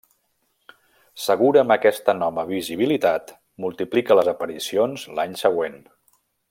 Segura amb aquesta nova visibilitat, multiplica les aparicions l'any següent.